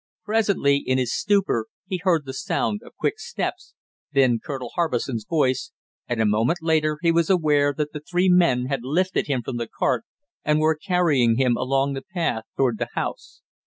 Presently in his stupor he heard the sound of quick steps, then Colonel Harbison's voice, and a moment later he was aware that the three men had lifted him from the cart and were carrying him along the path toward the house.